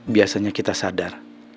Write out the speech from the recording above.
biasanya kita sadar